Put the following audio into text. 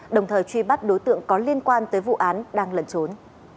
đồng thời truy bắt đối tượng có liên quan tới vụ án đang lẩn trốn